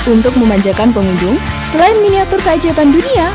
untuk memanjakan pengunjung selain miniatur keajaiban dunia